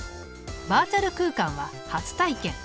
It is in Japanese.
バーチャル空間は初体験。